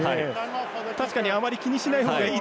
確かにあまり気にしない方がと。